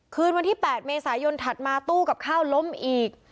คืนวันที่๘เมษายนถัดมาตู้กับข้าวล้มอีก